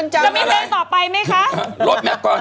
จำแบ่นเลย